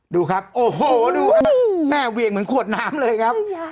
ดูครับโอ้โหดูแม่เหวี่ยงเหมือนขวดน้ำเลยครับ